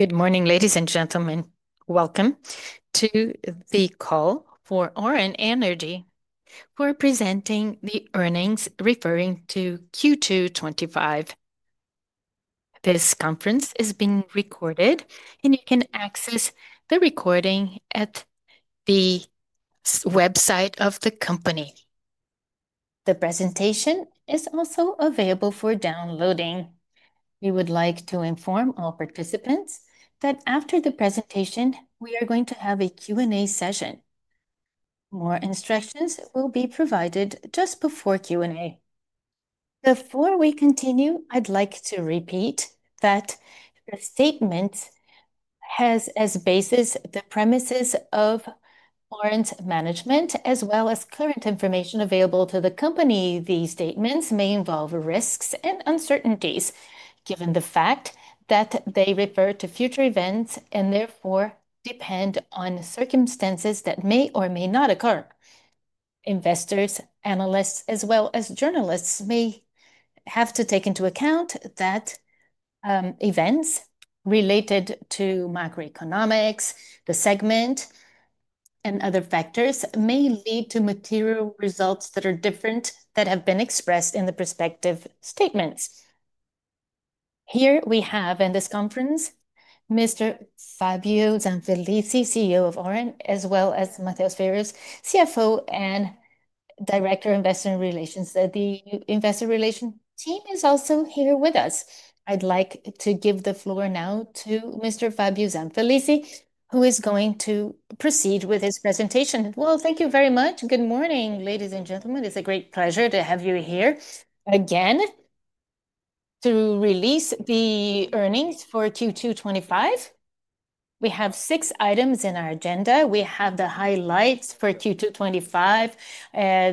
Good morning, ladies and gentlemen. Welcome to the call for Auren Energia, who are presenting the earnings referring to Q2 2025. This conference is being recorded, and you can access the recording at the website of the company. The presentation is also available for downloading. We would like to inform all participants that after the presentation, we are going to have a Q&A session. More instructions will be provided just before Q&A. Before we continue, I'd like to repeat that the statement has as basis the premises of Auren's management as well as current information available to the company. These statements may involve risks and uncertainties given the fact that they refer to future events and therefore depend on circumstances that may or may not occur. Investors, analysts, as well as journalists may have to take into account that events related to macroeconomics, the segment, and other factors may lead to material results that are different that have been expressed in the prospective statements. Here we have in this conference Mr. Fabio Zanfelice, CEO of Auren, as well as Mateus Ferreira, CFO and Director of Investor Relations. The Investor Relations team is also here with us. I'd like to give the floor now to Mr. Fabio Zanfelice, who is going to proceed with his presentation. Thank you very much. Good morning, ladies and gentlemen. It's a great pleasure to have you here again to release the earnings for Q2 2025. We have six items in our agenda. We have the highlights for Q2 2025,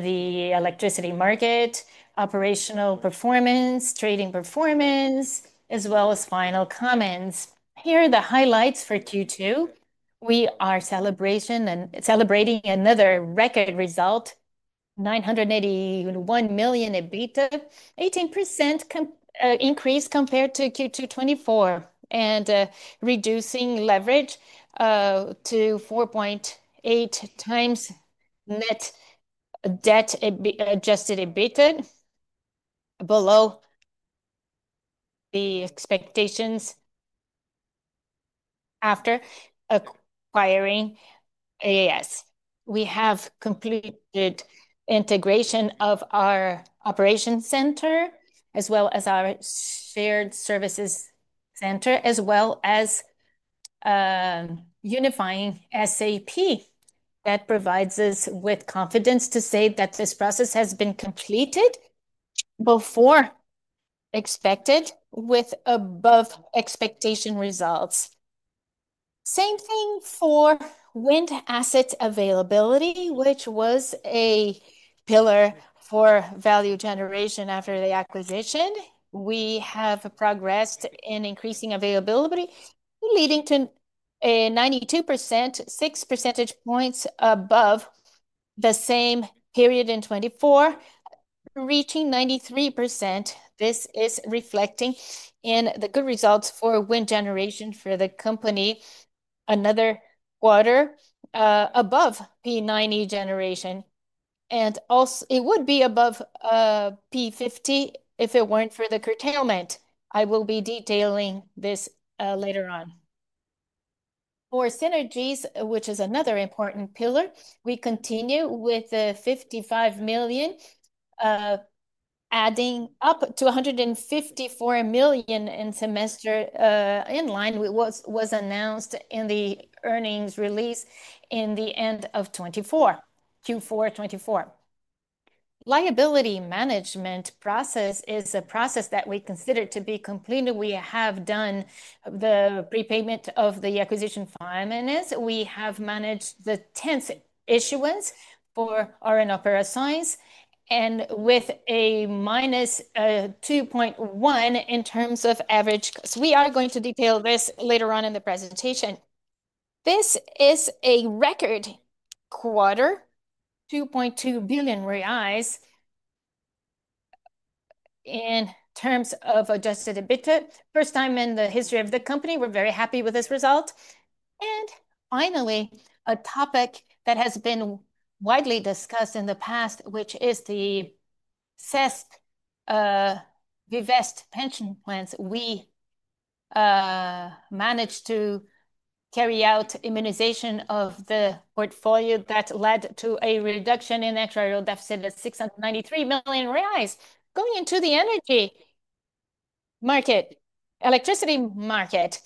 the electricity market, operational performance, trading performance, as well as final comments. Here are the highlights for Q2. We are celebrating another record result: 981 million EBITDA, 18% increase compared to Q2 2024, and reducing leverage to 4.8x net debt adjusted EBITDA below the expectations after acquiring AES. We have completed integration of our operations center as well as our shared services center, as well as unifying SAP. That provides us with confidence to say that this process has been completed before expected with above expectation results. Same thing for wind asset availability, which was a pillar for value generation after the acquisition. We have progressed in increasing availability, leading to a 92%, 6 percentage points above the same period in 2024, reaching 93%, this is reflecting in the good results for wind generation for the company another quarter above P90 generation, and also it would be above P50 if it weren't for the curtailment. I will be detailing this later on. For synergies, which is another important pillar, we continue with the 55 million adding up to 154 million in the semester in line, which was announced in the earnings release at the end of 2024, Q4 2024. Liability management process is a process that we consider to be completed. We have done the prepayment of the acquisition finances. We have managed the 10th issuance for Auren Operations and with a -2.1 in terms of average. We are going to detail this later on in the presentation. This is a record quarter, 2.2 billion reais in terms of adjusted EBITDA, first time in the history of the company. We're very happy with this result. Finally, a topic that has been widely discussed in the past, which is the CESP Vivest pension plans. We managed to carry out immunization of the portfolio that led to a reduction in extra deficit at 693 million reais. Going into the energy market, electricity market.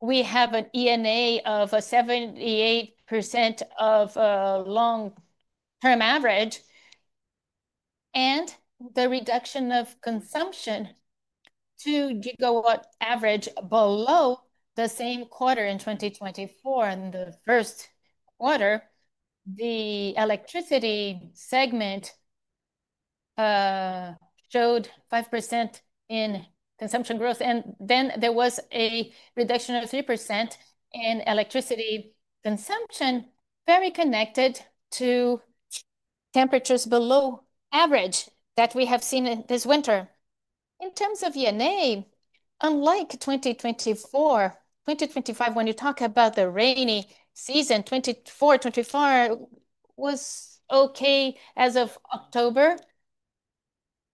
We have an ENA of 78% of long-term average and the reduction of consumption, 2 GW average below the same quarter in 2024. In the first quarter, the electricity segment showed 5% in consumption growth, and then there was a reduction of 3% in electricity consumption, very connected to temperatures below average that we have seen this winter. In terms of ENA, unlike 2024, when you talk about the rainy season, 2024 was okay as of October,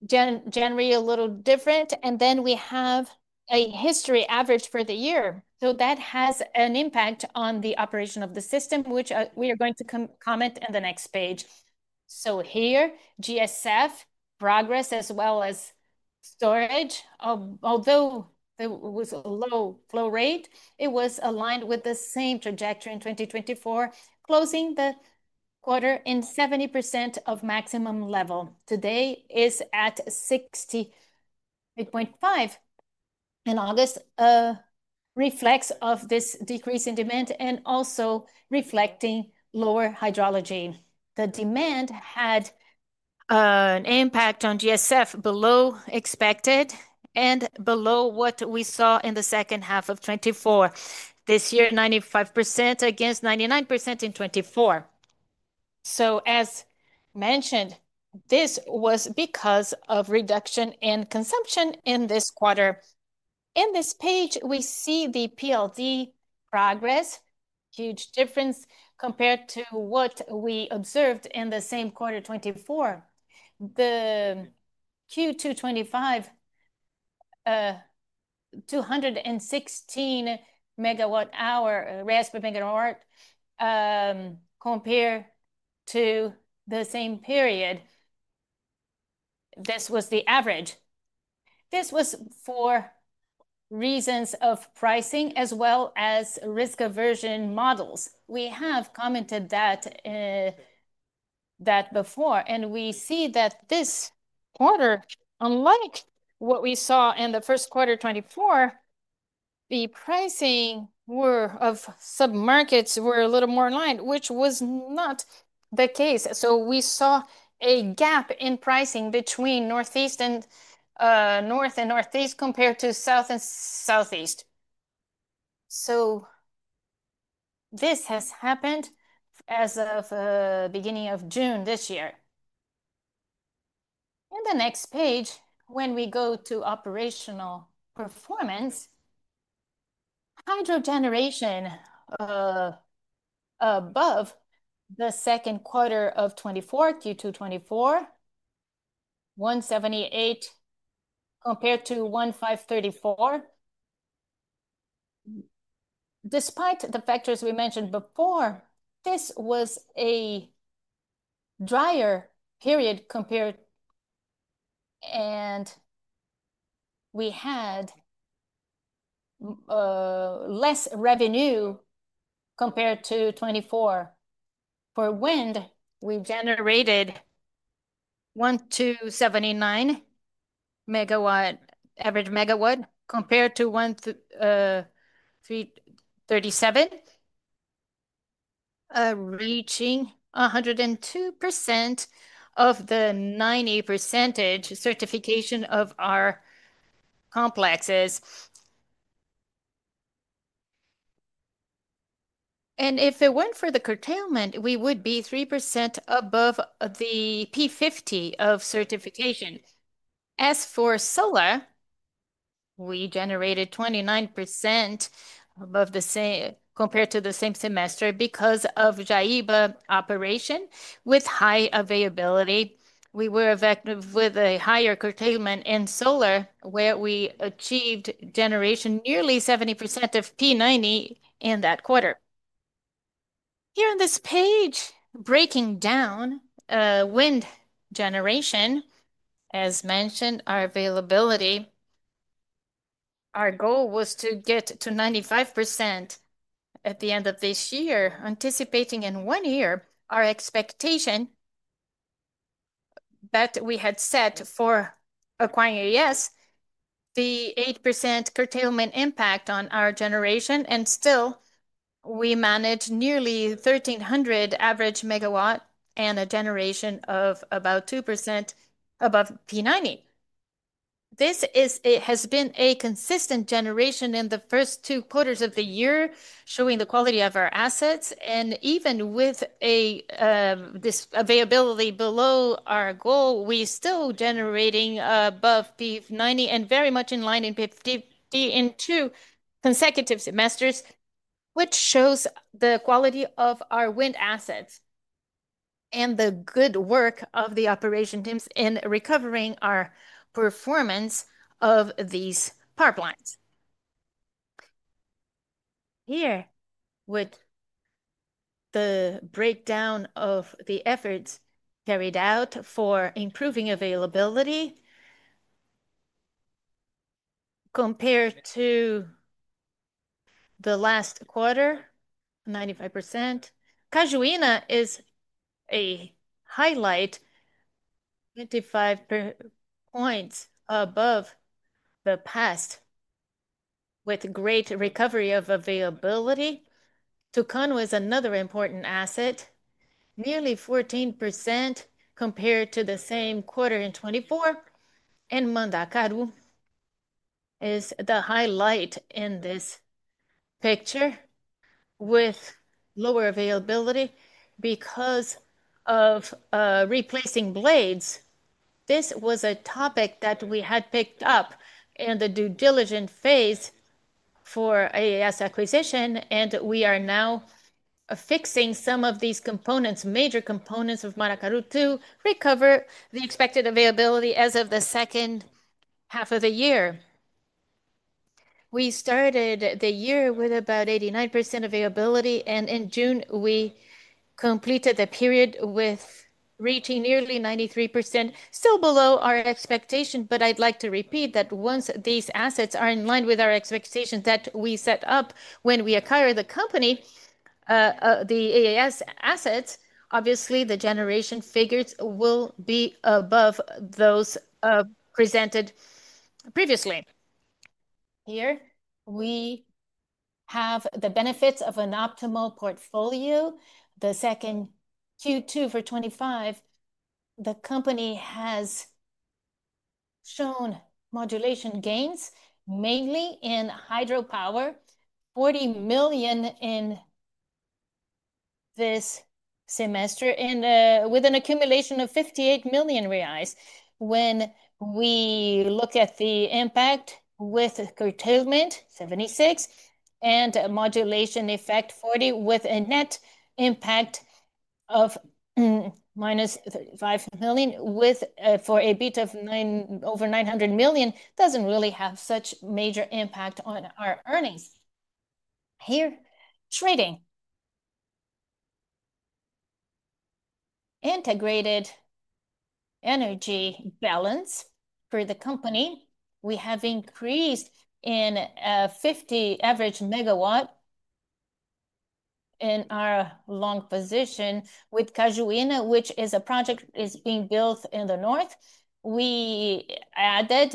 January a little different, and then we have a history average for the year. That has an impact on the operation of the system, which we are going to comment in the next page. Here, GSF progress as well as storage, although it was a low flow rate, it was aligned with the same trajectory in 2024, closing the quarter in 70% of maximum level. Today is at 68.5% in August, a reflex of this decrease in demand and also reflecting lower hydrology. The demand had an impact on GSF below expected and below what we saw in the second half of 2024. This year, 95% against 99% in 2024. As mentioned, this was because of reduction in consumption in this quarter. In this page, we see the PLD progress, huge difference compared to what we observed in the same quarter 2024. The Q2 2025, 216 MWh compared to the same period. This was the average. This was for reasons of pricing as well as risk aversion models. We have commented that before, and we see that this quarter, unlike what we saw in the first quarter 2024, the pricing of submarkets were a little more aligned, which was not the case. We saw a gap in pricing between North and Northeast compared to South and Southeast. This has happened as of the beginning of June this year. In the next page, when we go to operational performance, hydrogeneration above the second quarter of 2024, Q2 2024, 178 MW compared to 1,534 MW. Despite the factors we mentioned before, this was a drier period compared, and we had less revenue compared to 2024. For wind, we generated 179 average megawatts compared to 137 MW, reaching 102% of the 90 percentage certification of our complexes. If it weren't for the curtailment, we would be 3% above the P50 of certification. As for solar, we generated 29% above the same, compared to the same semester because of Jaiba operation. With high availability, we were effective with a higher curtailment in solar, where we achieved generation nearly 70% of P90 in that quarter. Here on this page, breaking down wind generation, as mentioned, our availability. Our goal was to get to 95% at the end of this year, anticipating in one year our expectation that we had set for acquiring AES, the 8% curtailment impact on our generation, and still we managed nearly 1,300 average megawatts and a generation of about 2% above P90. This has been a consistent generation in the first two quarters of the year, showing the quality of our assets. Even with this availability below our goal, we still generating above P90 and very much in line in P50 in two consecutive semesters, which shows the quality of our wind assets and the good work of the operation teams in recovering our performance of these power plants. Here, with the breakdown of the efforts carried out for improving availability compared to the last quarter, 95%. Cajuina is a highlight, 25 points above the past, with great recovery of availability. Tucan was another important asset, nearly 14% compared to the same quarter in 2024. Mandacaru is the highlight in this picture with lower availability because of replacing blades. This was a topic that we had picked up in the due diligence phase for AES acquisition, and we are now fixing some of these components, major components of Mandacaru to recover the expected availability as of the second half of the year. We started the year with about 89% availability, and in June, we completed the period with reaching nearly 93%, still below our expectation. I'd like to repeat that once these assets are in line with our expectations that we set up when we acquired the company, the AES assets, obviously, the generation figures will be above those presented previously. Here we have the benefits of an optimal portfolio. The second Q2 for 2025, the company has shown modulation gains, mainly in hydropower, 40 million in this semester, and with an accumulation of 58 million reais. When we look at the impact with curtailment, 76 million, and a modulation effect, 40 million, with a net impact of minus 35 million, with EBITDA of over 900 million, doesn't really have such major impact on our earnings. Here, trading. Integrated energy balance for the company, we have increased in 50 average megawatt in our long position with Cajuina, which is a project that is being built in the north. We added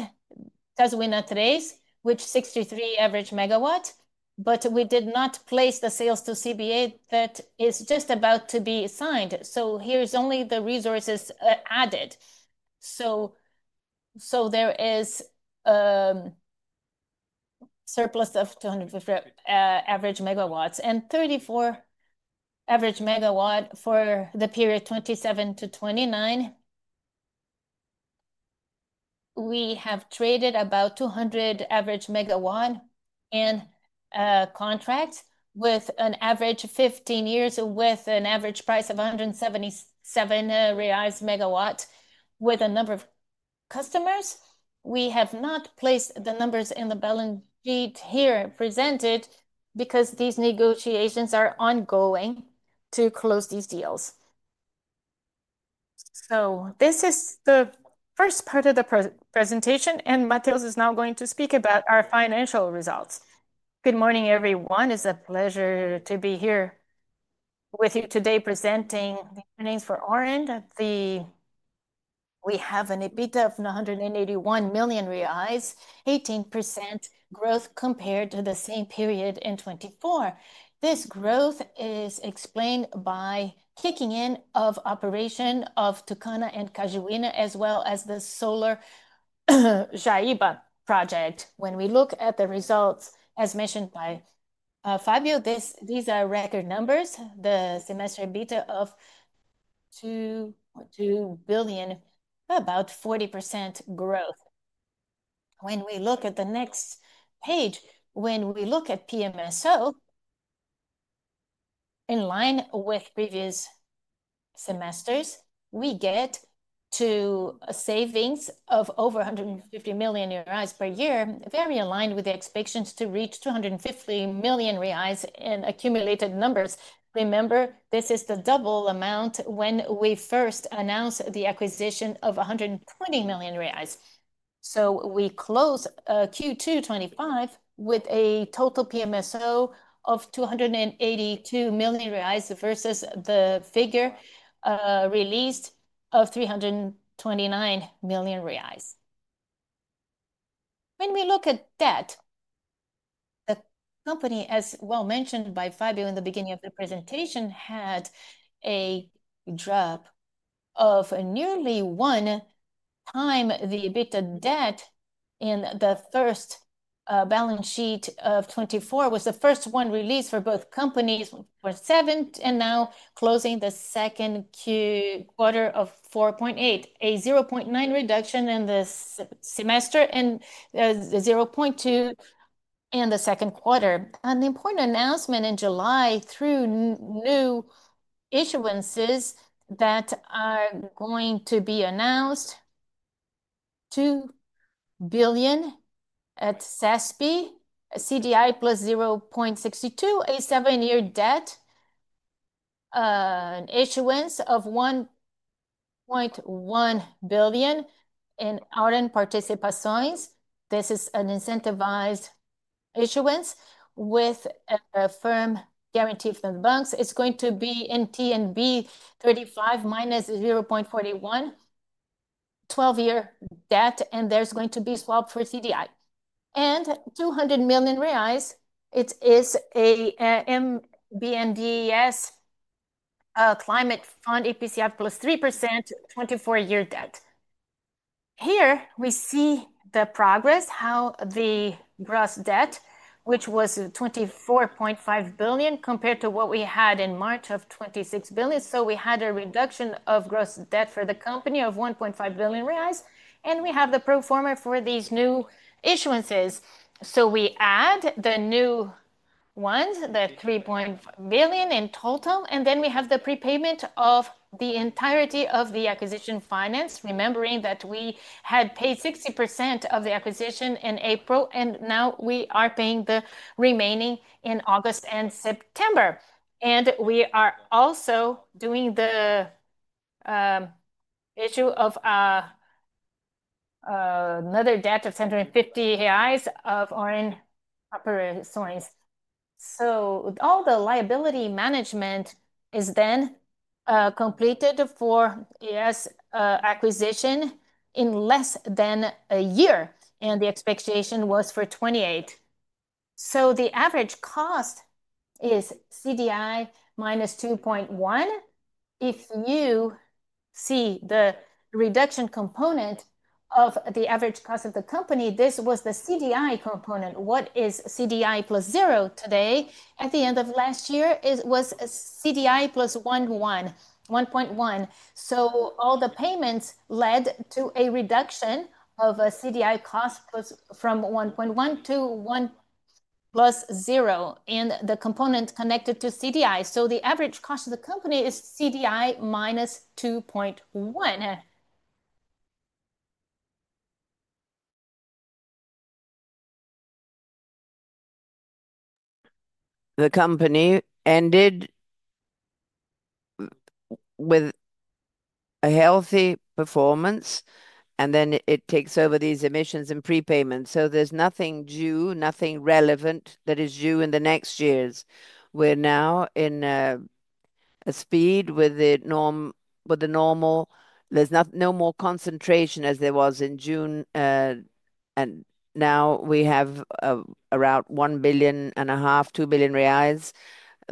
Cajuina trades, which is 63 average megawatts, but we did not place the sales to CBA that is just about to be signed. Here's only the resources added. There is a surplus of 250 average megawatts and 34 average megawatts for the period 2027 to 2029. We have traded about 200 average megawatts in contracts with an average of 15 years with an average price of 177 reais MW with a number of customers. We have not placed the numbers in the balance sheet here presented because these negotiations are ongoing to close these deals. This is the first part of the presentation, and Mateus is now going to speak about our financial results. Good morning, everyone. It's a pleasure to be here. With you today presenting the earnings for Auren. We have an EBITDA of 181 million reais, 18% growth compared to the same period in 2024. This growth is explained by kicking in of operation of Tucana and Cajuina, as well as the solar Jaiba project. When we look at the results, as mentioned by Fabio, these are record numbers. The semester EBITDA of 2 billion, about 40% growth. When we look at the next page, when we look at PMSO, in line with previous semesters, we get to savings of over 150 million reais per year, very aligned with the expectations to reach 250 million reais in accumulated numbers. Remember, this is the double amount when we first announced the acquisition of 120 million reais. We close Q2 2025 with a total PMSO of 282 million reais versus the figure released of 329 million reais. When we look at debt. The company, as well mentioned by Fabio Zanfalesi in the beginning of the presentation, had a drop of nearly one time the EBITDA debt in the first balance sheet of 2024. It was the first one released for both companies for 7th and now closing the second quarter of 4.8. A 0.9 reduction in this semester and 0.2 in the second quarter. An important announcement in July through new issuances that are going to be announced: BRL 2 billion at CESP, CDI +0.62, a seven-year debt, an issuance of 1.1 billion in Auren Participações. This is an incentivized issuance with a firm guarantee from the banks. It's going to be in TNB 35, -0.41, 12-year debt, and there's going to be a swap for CDI. And 200 million reais, it is a MBNDS Climate Fund EPCF plus 3%, 24-year debt. Here we see the progress, how the gross debt, which was 24.5 billion compared to what we had in March of 26 billion. We had a reduction of gross debt for the company of 1.5 billion reais, and we have the pro forma for these new issuances. We add the new ones, the 3.5 billion in total, and then we have the prepayment of the entirety of the acquisition finance, remembering that we had paid 60% of the acquisition in April, and now we are paying the remaining in August and September. We are also doing the issue of another debt of 150 million reais of Auren Operações. All the liability management is then completed for AES acquisition in less than a year, and the expectation was for 2028. The average cost is CDI -2.1. If you see the reduction component of the average cost of the company, this was the CDI component. What is CDI plus zero today? At the end of last year, it was CDI +1.1. All the payments led to a reduction of a CDI cost from 1.1 to one plus zero in the components connected to CDI. The average cost of the company is CDI -2.1. The company ended with a healthy performance, and then it takes over these emissions and prepayments. There's nothing due, nothing relevant that is due in the next years. We're now in a speed with the normal, there's no more concentration as there was in June, and now we have around 1.5 billion, 2 billion reais,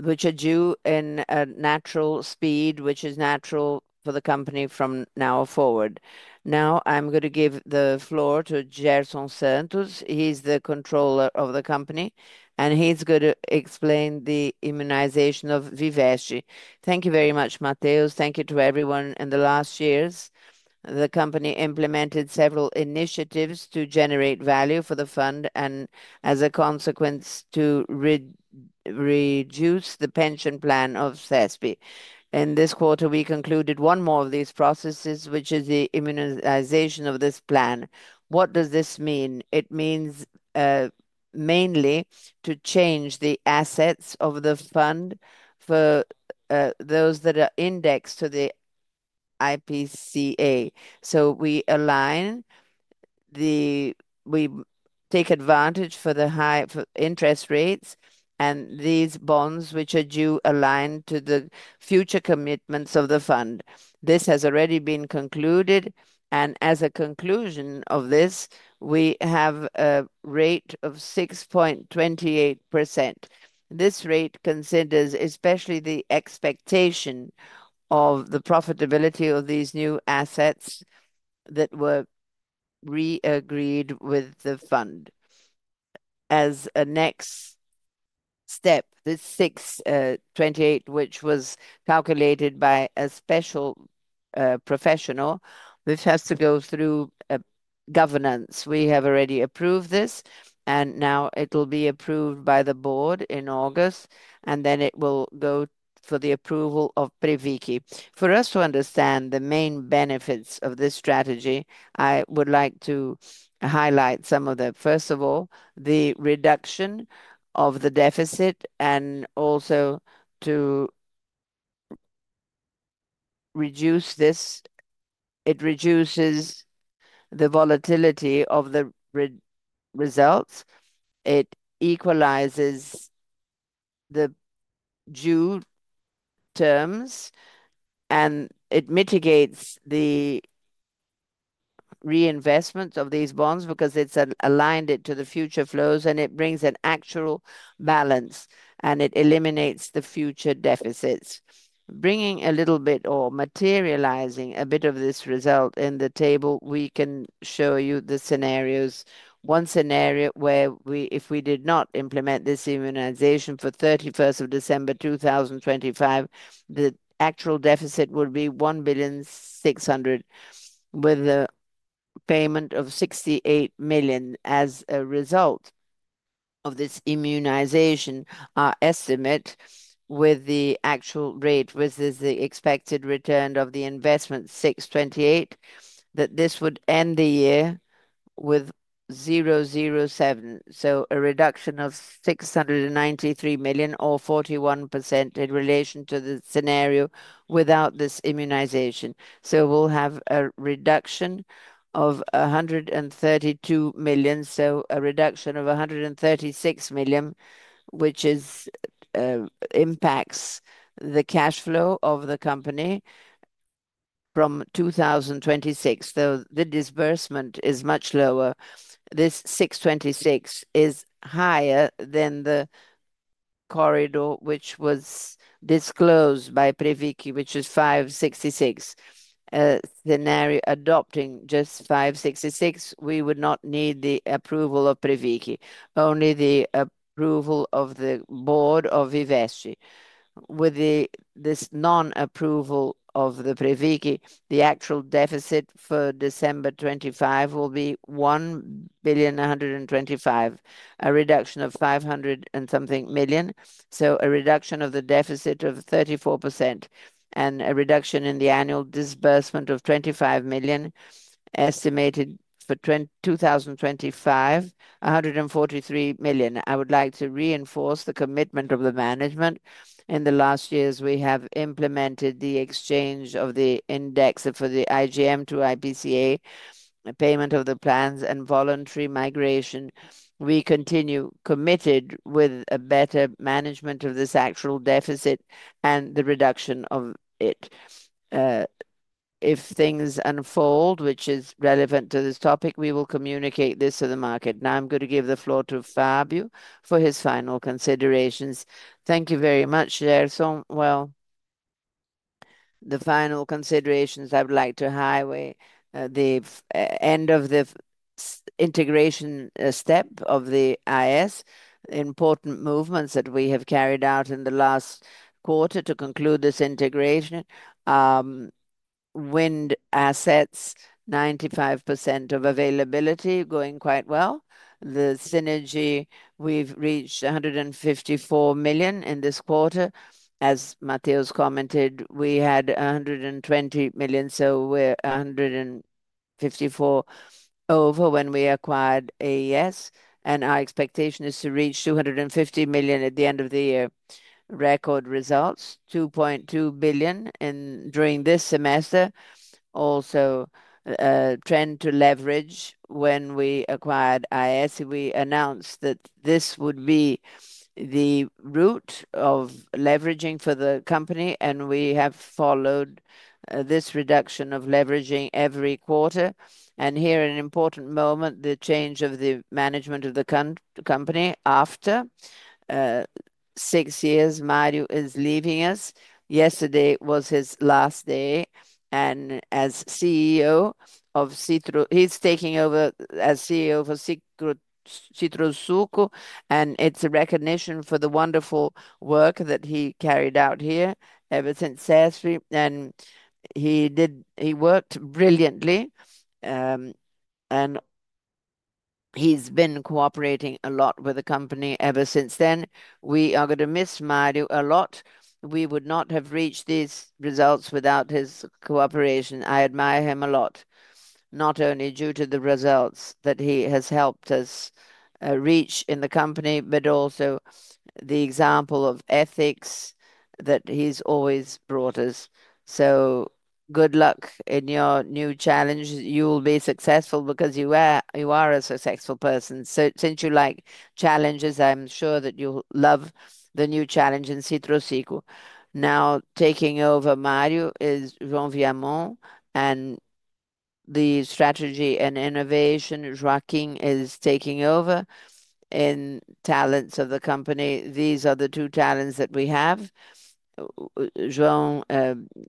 which are due in a natural speed, which is natural for the company from now forward. Now I'm going to give the floor to Gerson Santos. He's the Controller of the company, and he's going to explain the immunization of Vivest. Thank you very much, Matthias. Thank you to everyone. In the last years, the company implemented several initiatives to generate value for the fund and as a consequence to reduce the pension plan of CESP. In this quarter, we concluded one more of these processes, which is the immunization of this plan. What does this mean? It means mainly to change the assets of the fund for those that are indexed to the IPCA. We align the, we take advantage for the high interest rates and these bonds which are due aligned to the future commitments of the fund. This has already been concluded, and as a conclusion of this, we have a rate of 6.28%. This rate considers especially the expectation of the profitability of these new assets that were re-agreed with the fund. As a next step, this 6.28%, which was calculated by a special professional, which has to go through governance. We have already approved this, and now it will be approved by the Board in August, and then it will go for the approval of Previci. For us to understand the main benefits of this strategy, I would like to highlight some of them. First of all, the reduction of the deficit and also to reduce this. It reduces the volatility of the results. It equalizes the due terms, and it mitigates the reinvestments of these bonds because it's aligned to the future flows, and it brings an actual balance, and it eliminates the future deficits. Bringing a little bit or materializing a bit of this result in the table, we can show you the scenarios. One scenario where we, if we did not implement this immunization for December 31st, 2025, the actual deficit would be 1,600,000 with a payment of 68 million as a result of this immunization. Our estimate with the actual rate versus the expected return of the investment, 6.28%, that this would end the year with 0.007 million, so a reduction of 693 million or 41% in relation to the scenario without this immunization. We'll have a reduction of 132 million, a reduction of 136 million, which impacts the cash flow of the company from 2026, though the disbursement is much lower. This 6.26% is higher than the corridor which was disclosed by Previci, which is 5.66%. Scenario adopting just 5.66%, we would not need the approval of Previci, only the approval of the board of Vivest. With this non-approval of Previci, the actual deficit for December 2025 will be 1,125 million, a reduction of 500 and something million. A reduction of the deficit of 34% and a reduction in the annual disbursement of 25 million estimated for 2025, 143 million. I would like to reinforce the commitment of the management. In the last years, we have implemented the exchange of the index for the IGM to IPCA, payment of the plans, and voluntary migration. We continue committed with a better management of this actual deficit and the reduction of it. If things unfold, which is relevant to this topic, we will communicate this to the market. Now I'm going to give the floor to Fabio for his final considerations. Thank you very much, Gerson. The final considerations I would like to highlight are the end of the integration step of the IS, important movements that we have carried out in the last quarter to conclude this integration. Wind assets, 95% of availability, going quite well. The synergy, we've reached 154 million in this quarter. As Mateus commented, we had 120 million, so we're 154 million over when we acquired AES, and our expectation is to reach 250 million at the end of the year. Record results, 2.2 billion during this semester. Also, a trend to leverage. When we acquired AES, we announced that this would be the route of leveraging for the company, and we have followed this reduction of leveraging every quarter. Here, an important moment, the change of the management of the company after six years, Mario is leaving us. Yesterday was his last day. As CEO, he's taking over as CEO for Citrosuco, and it's a recognition for the wonderful work that he carried out here ever since CESP. He worked brilliantly, and he's been cooperating a lot with the company ever since then. We are going to miss Mario a lot. We would not have reached these results without his cooperation. I admire him a lot, not only due to the results that he has helped us reach in the company, but also the example of ethics that he's always brought us. Good luck in your new challenges. You will be successful because you are a successful person. Since you like challenges, I'm sure that you'll love the new challenge in Citrosuco. Now, taking over Mario is João Guillaumon, and the strategy and innovation. Joaquin is taking over in talents of the company. These are the two talents that we have. João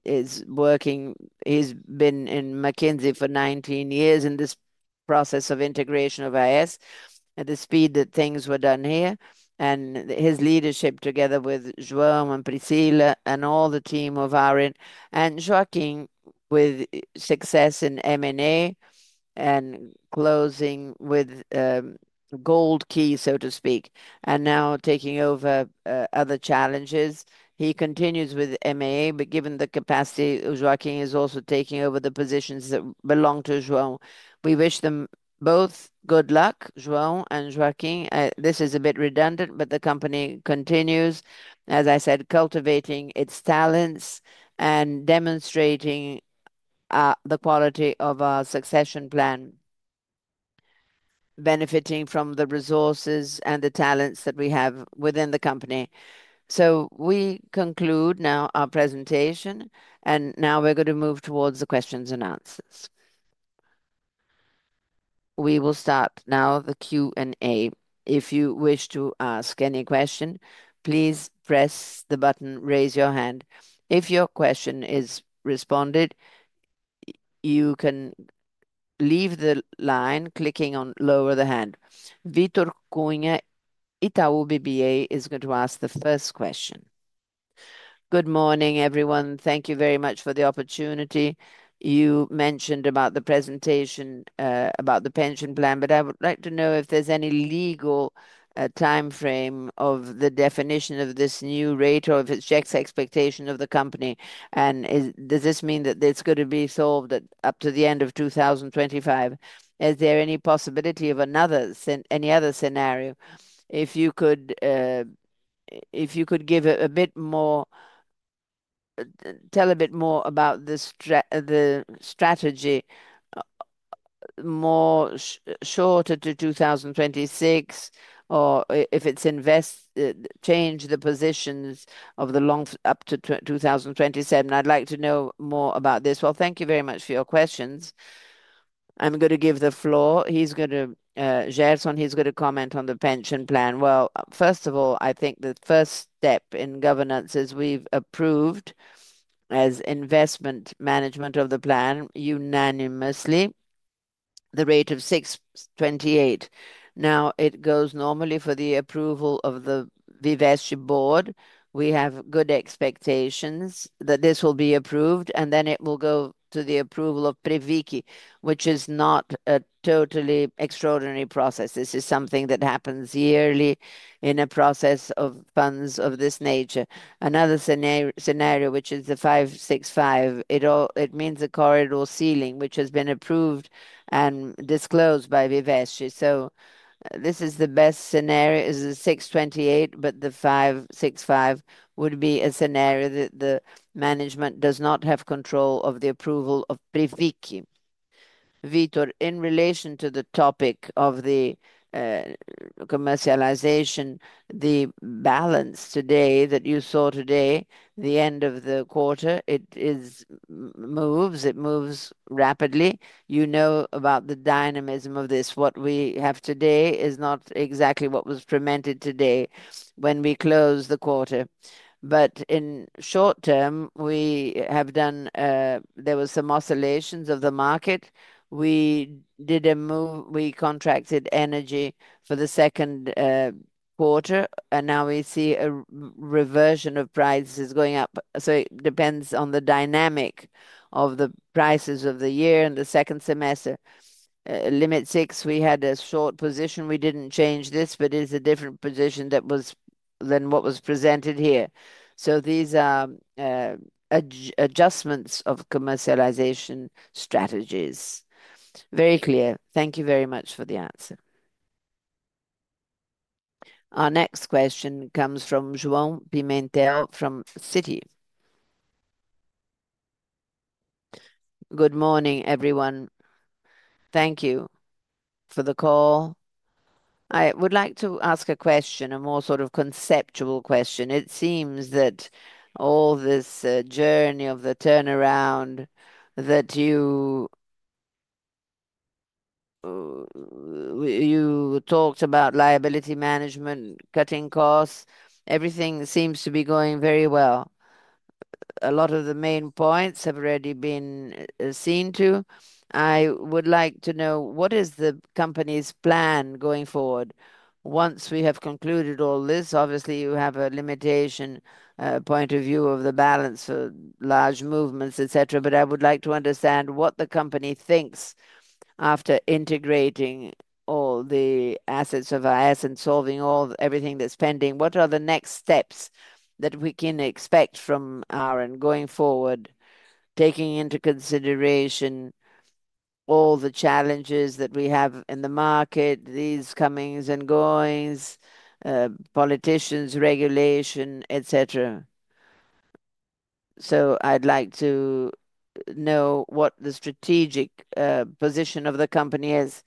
is working. He's been in McKinsey for 19 years in this process of integration of AES, the speed that things were done here. His leadership together with João and Priscila and all the team of Auren and Joaquin with success in M&A and closing with gold key, so to speak, and now taking over other challenges. He continues with M&A, but given the capacity, Joaquin is also taking over the positions that belong to João. We wish them both good luck, João and Joaquin. This is a bit redundant, but the company continues, as I said, cultivating its talents and demonstrating the quality of our succession plan, benefiting from the resources and the talents that we have within the company. We conclude now our presentation, and now we're going to move towards the questions and answers. We will start now the Q&A. If you wish to ask any question, please press the button, raise your hand. If your question is responded, you can leave the line clicking on lower the hand. Vitor Cunha, Itaú BBA is going to ask the first question. Good morning, everyone. Thank you very much for the opportunity. You mentioned about the presentation about the pension plan, but I would like to know if there's any legal timeframe of the definition of this new rate or if it's just expectation of the company. Does this mean that it's going to be solved up to the end of 2025? Is there any possibility of another, any other scenario? If you could give a bit more, tell a bit more about the strategy, more shorter to 2026, or if it's changed the positions of the long up to 2027. I'd like to know more about this. Thank you very much for your questions. I'm going to give the floor. He's going to, Gerson, he's going to comment on the pension plan. First of all, I think the first step in governance is we've approved as investment management of the plan unanimously the rate of 6.28%. Now, it goes normally for the approval of the Vivace board. We have good expectations that this will be approved, and then it will go to the approval of Previci, which is not a totally extraordinary process. This is something that happens yearly in a process of funds of this nature. Another scenario, which is the 5.65%, it means the corridor ceiling, which has been approved and disclosed by Vivest. This is the best scenario, is the 6.28%, but the 5.65% would be a scenario that the management does not have control of the approval of Previci. Victor, in relation to the topic of the commercialization, the balance today that you saw today, the end of the quarter, it moves, it moves rapidly. You know about the dynamism of this. What we have today is not exactly what was presented today when we closed the quarter. In short term, we have done, there were some oscillations of the market. We did a move, we contracted energy for the second quarter, and now we see a reversion of prices going up. It depends on the dynamic of the prices of the year and the second semester. Limit six, we had a short position. We didn't change this, but it's a different position than what was presented here. These are adjustments of commercialization strategies. Very clear. Thank you very much for the answer. Our next question comes from João Pimentel from Citi. Good morning, everyone. Thank you for the call. I would like to ask a question, a more sort of conceptual question. It seems that all this journey of the turnaround that you talked about, liability management, cutting costs, everything seems to be going very well. A lot of the main points have already been seen to. I would like to know what is the company's plan going forward. Once we have concluded all this, obviously, you have a limitation point of view of the balance of large movements, et cetera. I would like to understand what the company thinks after integrating all the assets of AES and solving everything that's pending. What are the next steps that we can expect from our end going forward, taking into consideration all the challenges that we have in the market, these comings and goings, politicians, regulation, et cetera? I would like to know what the strategic position of the company is.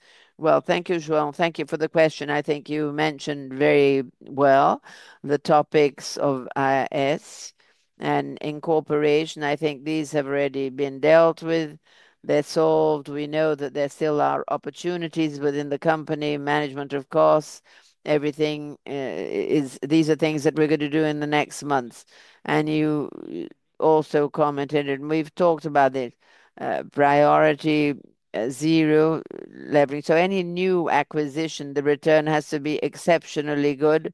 Thank you, João. Thank you for the question. I think you mentioned very well the topics of AES and incorporation. I think these have already been dealt with. They're solved. We know that there still are opportunities within the company, management, of course, everything. These are things that we're going to do in the next month. You also commented, and we've talked about it, priority zero leverage. Any new acquisition, the return has to be exceptionally good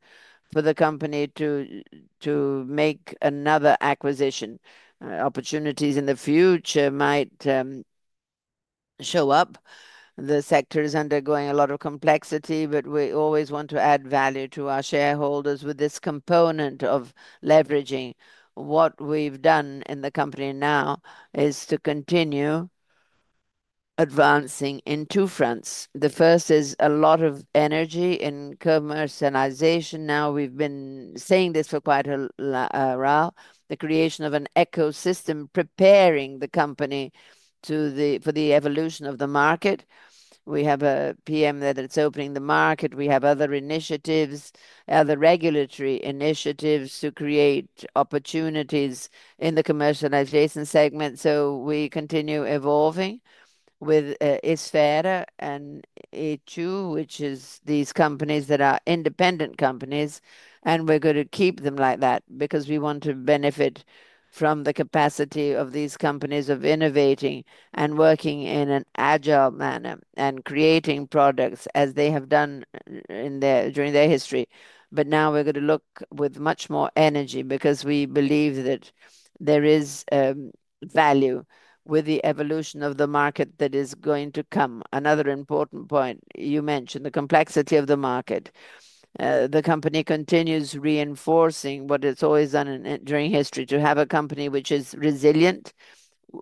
for the company to make another acquisition. Opportunities in the future might show up. The sector is undergoing a lot of complexity, but we always want to add value to our shareholders with this component of leveraging. What we've done in the company now is to continue advancing in two fronts. The first is a lot of energy in commercialization. We've been saying this for quite a while, the creation of an ecosystem preparing the company for the evolution of the market. We have a PEM that's opening the market. We have other initiatives, other regulatory initiatives to create opportunities in the commercialization segment. We continue evolving with Esfera and E2, which are these companies that are independent companies, and we're going to keep them like that because we want to benefit from the capacity of these companies of innovating and working in an agile manner and creating products as they have done during their history. Now we're going to look with much more energy because we believe that there is value with the evolution of the market that is going to come. Another important point you mentioned, the complexity of the market. The company continues reinforcing what it's always done during history to have a company which is resilient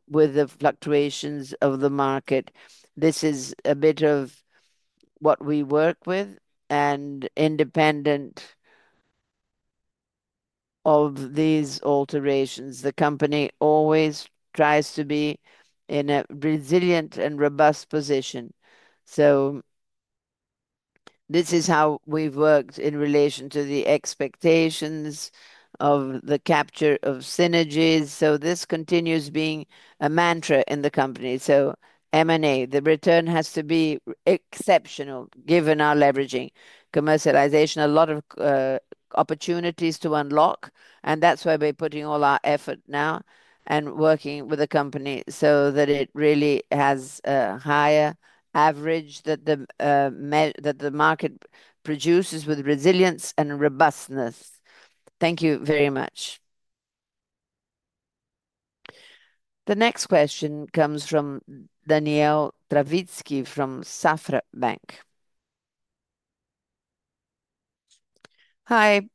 with the fluctuations of the market. This is a bit of what we work with and independent of these alterations. The company always tries to be in a resilient and robust position. This is how we've worked in relation to the expectations of the capture of synergies. This continues being a mantra in the company. M&A, the return has to be exceptional given our leveraging. Commercialization, a lot of opportunities to unlock, and that's why we're putting all our effort now and working with the company so that it really has a higher average that the market produces with resilience and robustness. Thank you very much. The next question comes from Daniel Travitsky from Safra Bank. Hi,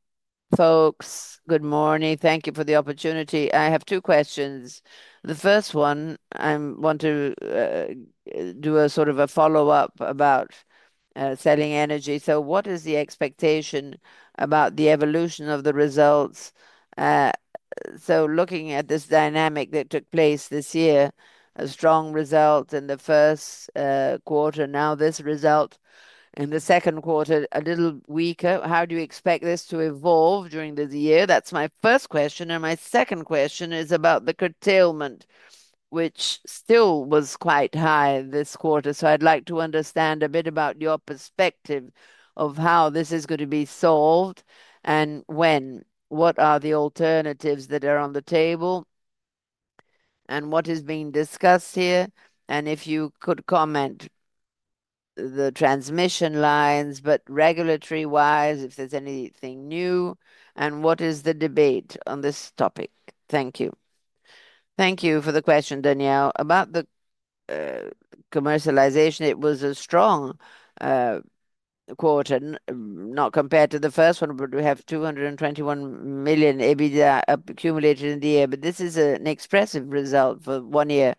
folks. Good morning. Thank you for the opportunity. I have two questions. The first one, I want to do a sort of a follow-up about selling energy. What is the expectation about the evolution of the results? Looking at this dynamic that took place this year, a strong result in the first quarter. Now, this result in the second quarter, a little weaker. How do you expect this to evolve during the year? That's my first question. My second question is about the curtailment, which still was quite high this quarter. I'd like to understand a bit about your perspective of how this is going to be solved and when. What are the alternatives that are on the table and what is being discussed here? If you could comment on the transmission lines, but regulatory-wise, if there's anything new, and what is the debate on this topic? Thank you. Thank you for the question, Daniel. About the commercialization, it was a strong quarter, not compared to the first one, but we have 221 million EBITDA accumulated in the year. This is an expressive result for one year.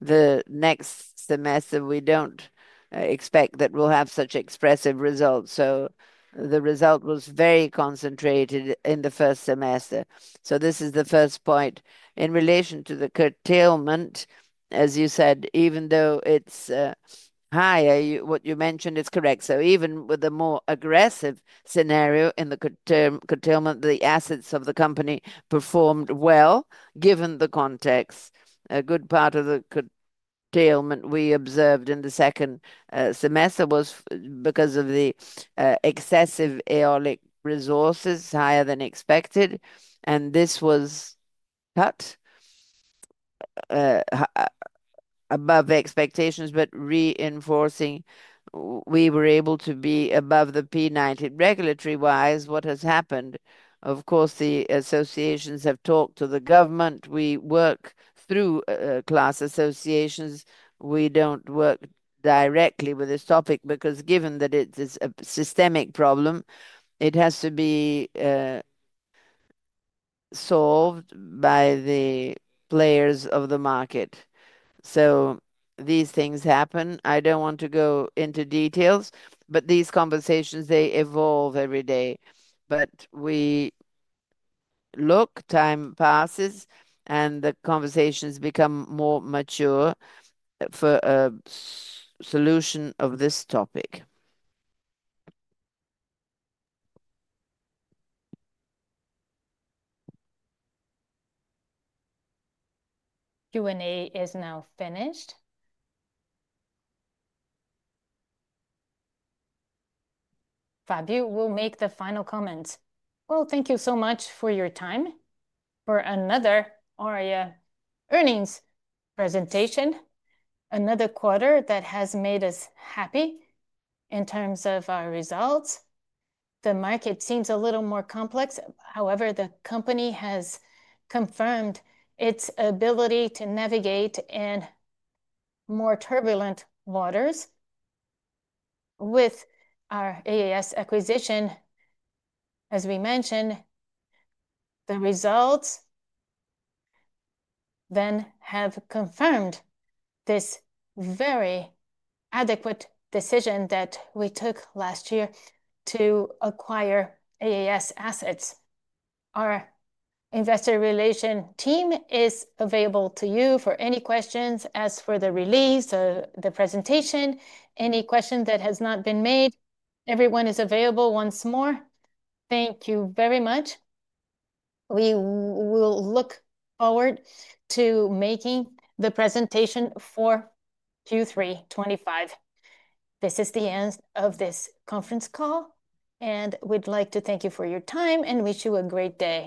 The next semester, we don't expect that we'll have such expressive results. The result was very concentrated in the first semester. This is the first point. In relation to the curtailment, as you said, even though it's higher, what you mentioned is correct. Even with a more aggressive scenario in the curtailment, the assets of the company performed well given the context. A good part of the curtailment we observed in the second semester was because of the excessive aeolic resources higher than expected. This was cut above expectations, but reinforcing, we were able to be above the P90. Regulatory-wise, what has happened? Of course, the associations have talked to the government. We work through class associations. We don't work directly with this topic because given that it's a systemic problem, it has to be solved by the players of the market. These things happen. I don't want to go into details, but these conversations, they evolve every day. We look, time passes, and the conversations become more mature for a solution of this topic. Q&A is now finished. Fabio will make the final comments. Thank you so much for your time for another Auren earnings presentation. Another quarter that has made us happy in terms of our results. The market seems a little more complex. However, the company has confirmed its ability to navigate in more turbulent waters with our AES acquisition. As we mentioned, the results then have confirmed this very adequate decision that we took last year to acquire AES assets. Our Investor Relations team is available to you for any questions as for the release or the presentation. Any question that has not been made, everyone is available once more. Thank you very much. We will look forward to making the presentation for Q3 2025. This is the end of this conference call, and we'd like to thank you for your time and wish you a great day.